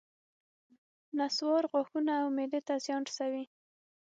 نصوار غاښونو او معدې ته زیان رسوي